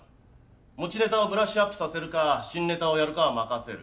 持ちネタをブラッシュアップさせるか新ネタをやるかは任せる。